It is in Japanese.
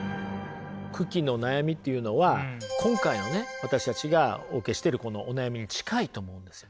九鬼の悩みっていうのは今回のね私たちがお受けしてるこのお悩みに近いと思うんですよね。